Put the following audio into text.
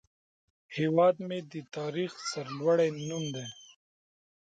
هیواد مې د تاریخ سرلوړی نوم دی